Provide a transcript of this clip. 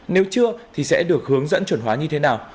nếu chưa thì sẽ được hướng dẫn chuẩn hóa như thế nào